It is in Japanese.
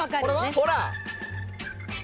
ほら！